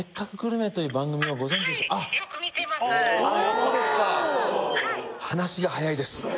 そうですか☎はい☎